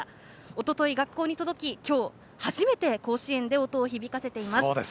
おととい、学校に届き今日、初めて甲子園で音を響かせています。